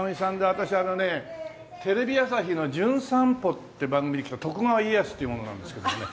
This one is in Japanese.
私あのねテレビ朝日の『じゅん散歩』っていう番組で来た徳川家康っていう者なんですけどもね。